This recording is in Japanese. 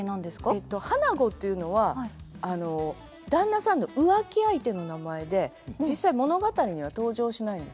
花子というのは旦那さんの浮気相手の名前で実際物語には登場しないんです。